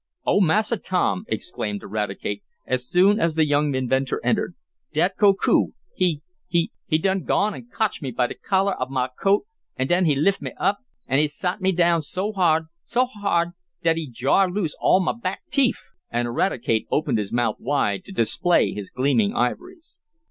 "Oh, Massa Tom!" exclaimed Eradicate, as soon as the young inventor entered. "Dat Koku he he he done gone and cotch me by de collar ob mah coat, an' den he lif' me up, an' he sot me down so hard so hard dat he jar loose all mah back teef!" and Eradicate opened his mouth wide to display his gleaming ivories.